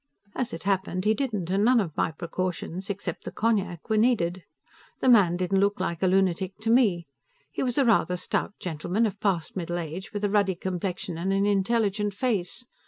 As it happened, he didn't, and none of my precautions except the cognac were needed. The man didn't look like a lunatic to me. He was a rather stout gentleman, of past middle age, with a ruddy complexion and an intelligent face.